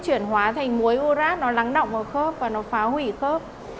chuyển hóa thành muối urat nó lắng động vào khớp và nó phá hủy khớp